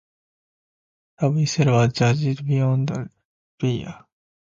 The vessel was judged beyond repair.